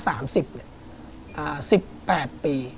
อ่า๑๘ปี